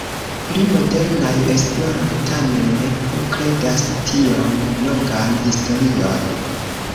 Pli modernaj esploroj tamen ne plu kredas tiom longan historion.